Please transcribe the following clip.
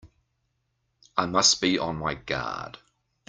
I must be on my guard!